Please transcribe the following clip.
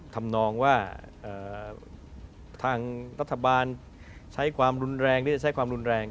ถำนองว่าระทบาทเรื่อยได้ใช้ความรุนแรง